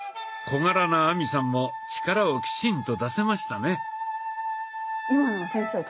小柄な亜美さんも力をきちんと出せましたね。